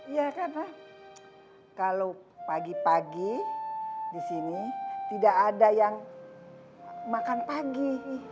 ya karena kalau pagi pagi di sini tidak ada yang makan pagi